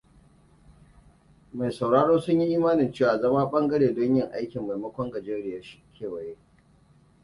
Masu sauraro sunyi imanin cewa zama ɓangare don yin aikin, maimakon gajeriyar kewaya.